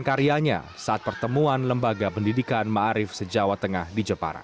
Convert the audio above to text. dan karyanya saat pertemuan lembaga pendidikan ma'arif sejawa tengah di jepara